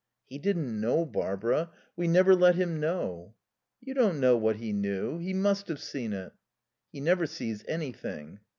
"He didn't know, Barbara. We never let him know." "You don't know what he knew. He must have seen it." "He never sees anything."